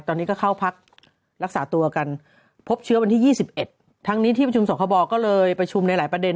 ตอนนี้ก็เข้าพักรักษาตัวกันพบเชื้อวันที่๒๑ทั้งนี้ที่ประชุมสคบก็เลยประชุมในหลายประเด็น